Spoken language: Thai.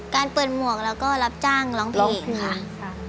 การเปิดหมวกแล้วก็รับจ้างร้องเพลงค่ะ